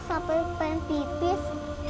sampai pengen pipis